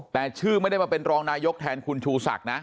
แต่ชื่อไม่ได้มาเป็นรองนายกแทนคุณชูศักดิ์นะ